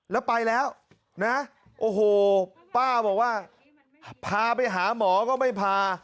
แล้วไปแล้วนะโอ้โหป้าบอกว่าพาไปหาหมอก็ไม่พา